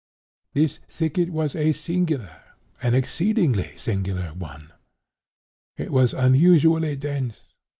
"This thicket was a singular—an exceedingly singular one. It was unusually dense.